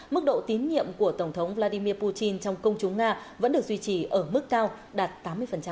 mức độ tín nhiệm của tổng thống vladimir putin trong công chúng nga vẫn được duy trì ở mức cao đạt tám mươi